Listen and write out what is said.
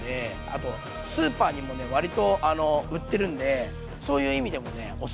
あとスーパーにもね割と売ってるんでそういう意味でもねオススメ。